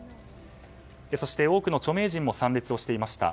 そして多くの著名人も参列をしていました。